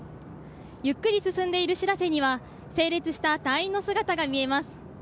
ゆっくり進んでる「しらせ」には整列した隊員の姿が見えます。